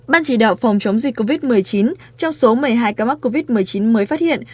ban chỉ đạo phòng chống dịch covid một mươi chín trong số một mươi hai ca mắc covid một mươi chín mới phát hiện